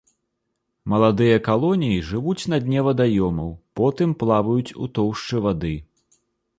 Маладыя калоніі жывуць на дне вадаёмаў, потым плаваюць у тоўшчы вады.